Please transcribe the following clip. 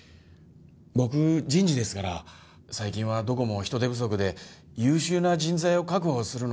僕人事ですから最近はどこも人手不足で優秀な人材を確保するのが大変でね。